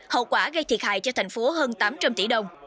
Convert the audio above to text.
hậu quả gây thiệt hại cho thành phố hơn tám trăm linh tỷ đồng